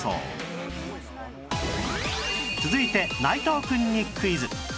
続いて内藤くんにクイズ